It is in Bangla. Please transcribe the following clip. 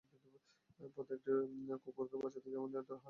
পথে একটি কুকুরকে বাঁচাতে গিয়ে নিয়ন্ত্রণ হারিয়ে মোটরসাইকেলটি খাদে পড়ে যায়।